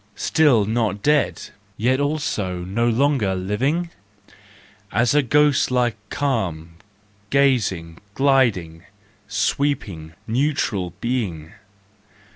Still not dead, yet also no longer living ? Asa ghost like, calm, gazing, gliding, sweeping, neutral being?